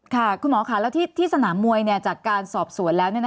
คุณหมอค่ะแล้วที่สนามมวยจากการสอบสวนแล้ว